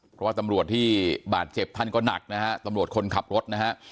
เพราะว่าตำรวจที่บาดเจ็บท่านก็หนักนะฮะตำรวจคนขับรถนะฮะ